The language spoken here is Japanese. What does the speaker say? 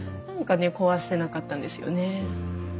何かね壊せなかったんですよねえ。